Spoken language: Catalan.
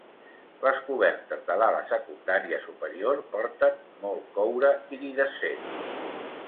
Les cobertes de l'ala secundària superior porten molt coure iridescent.